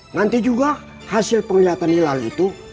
nanti juga hasil penglihatan hilal itu